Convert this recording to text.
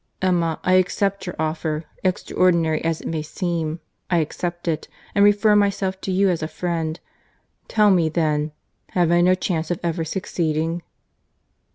—Emma, I accept your offer—Extraordinary as it may seem, I accept it, and refer myself to you as a friend.—Tell me, then, have I no chance of ever succeeding?"